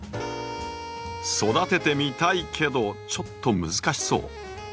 「育ててみたいけどちょっと難しそう」。